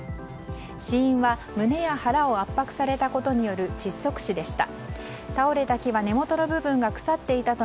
死因は胸や腹を圧迫されたことによる窒息死でした。